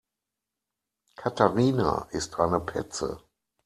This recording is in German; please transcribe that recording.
Katharina ist eine Petze.